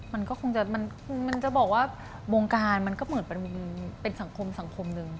มันก็คงจะมันจะบอกว่าวงการมันก็เหมือนเป็นสังคมสังคมหนึ่ง